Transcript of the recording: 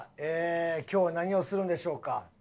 今日は何をするんでしょうか？